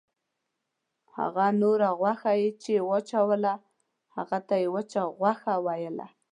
هغه نوره غوښه یې چې وچوله هغې ته یې وچه غوښه ویله.